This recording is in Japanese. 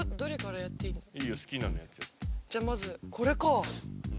じゃあまずこれか。